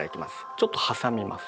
ちょっと挟みます。